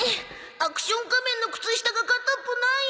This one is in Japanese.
アクション仮面の靴下が片っぽないよ！